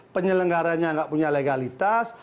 penyelenggaranya tidak punya legalitas